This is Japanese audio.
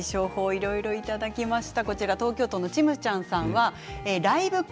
いろいろいただきました。